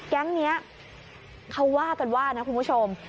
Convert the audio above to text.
แก๊งนี้เขาว่ากันว่านะคุณผู้ชม